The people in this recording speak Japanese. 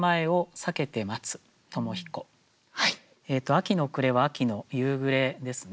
「秋の暮」は秋の夕暮れですね。